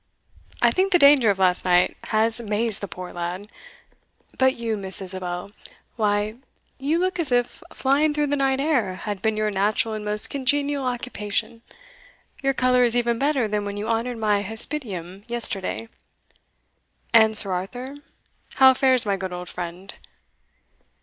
I think the danger of last night has mazed the poor lad. But you, Miss Isabel, why, you look as if flying through the night air had been your natural and most congenial occupation; your colour is even better than when you honoured my hospitium yesterday. And Sir Arthur how fares my good old friend?"